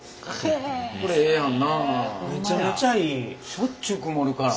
しょっちゅう曇るから。